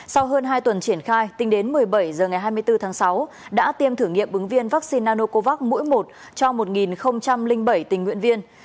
sau hơn hai tuần triển khai tính đến một mươi bảy h ngày hai mươi bốn tháng sáu đã tiêm thử nghiệm ứng viên vaccine nanocovax mỗi một cho một bảy tình nguyện viên